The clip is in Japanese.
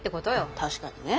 確かにね。